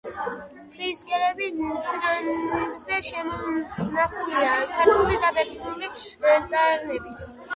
ფრესკების ფრაგმენტებზე შემონახულია ქართული და ბერძნული წარწერები.